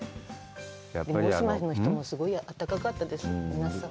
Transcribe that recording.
奄美大島の人も、すごい温かかったです、皆さん。